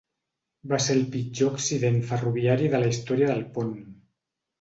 Va ser el pitjor accident ferroviari de la història del pont.